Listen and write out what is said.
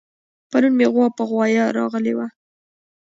پرون مې غوا پر غوايه راغلې وه